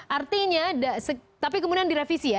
artinya tapi kemudian direvisi ya